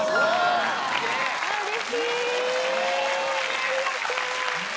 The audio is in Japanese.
ありがとう。